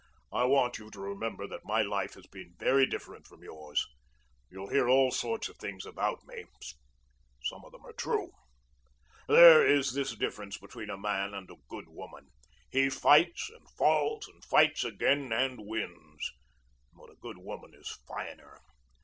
I want you to remember that my life has been very different from yours. You'll hear all sorts of things about me. Some of them are true. There is this difference between a man and a good woman. He fights and falls and fights again and wins. But a good woman is finer.